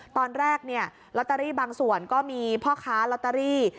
ตอนแรกเนี่ยลอตเตอรี่บางส่วนก็มีพ่อค้าลอตเตอรี่